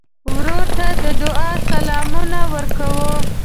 ورور ته د دعا سلامونه ورکوې.